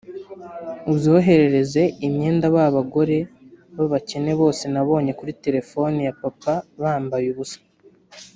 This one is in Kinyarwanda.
uzoherereze imyenda ba bagore b’abakene bose nabonye kuri telefoni ya papa bambaye ubusa